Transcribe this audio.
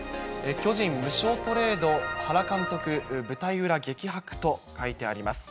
巨人無償トレード、原監督、舞台裏激白と書いてあります。